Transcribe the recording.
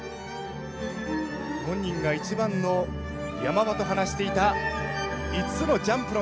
本人が一番の山場と話していた５つのジャンプの要素。